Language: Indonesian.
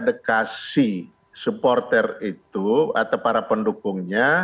untuk mengedukasi supporter itu atau para pendukungnya